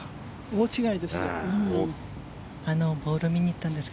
大違いです。